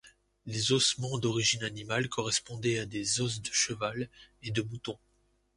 Les ossements d’origine animale correspondaient à des os de cheval et de mouton.